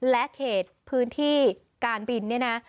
และเขตพื้นที่การบินเนี่ยนะ